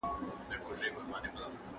¬ د ابۍ پر مرگ نه يم عرزايل اموخته کېږي.